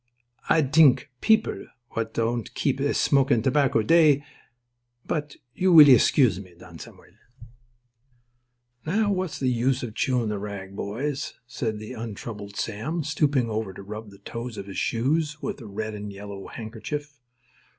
Ah dthink people w'at don't keep esmokin' tobacco, dthey—bot you weel escuse me, Don Samuel." "Now, what's the use of chewin' the rag, boys," said the untroubled Sam, stooping over to rub the toes of his shoes with a red and yellow handkerchief.